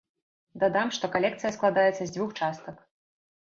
Дадам, што калекцыя складаецца з дзвюх частак.